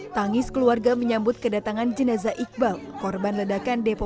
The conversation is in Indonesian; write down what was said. tangis keluarga menyambut kedatangan jenazah iqbal korban ledakan depo